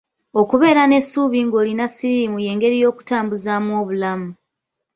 Okubeera n’essuubi ng’olina siriimu y’engeri y’okutambuzaamu obulamu.